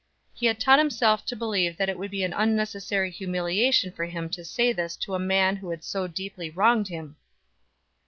He had taught himself to believe that it would be an unnecessary humiliation for him to say this to a man who had so deeply wronged him!